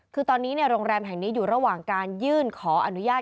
คือตอนนี้โรงแรมแห่งนี้อยู่ระหว่างการยื่นขออนุญาต